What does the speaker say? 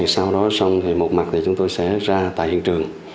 sau đó xong thì một mặt thì chúng tôi sẽ ra tại hiện trường